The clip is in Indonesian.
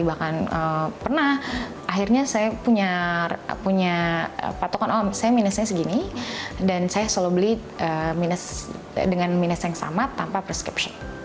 bahkan pernah akhirnya saya punya patokan oh saya minusnya segini dan saya selalu beli minus dengan minus yang sama tanpa prescripsi